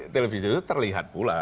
televisi itu terlihat pula